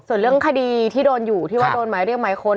ส่วนเรื่องคดีที่โดนอยู่ที่ว่าโดนหมายเรียกหมายค้น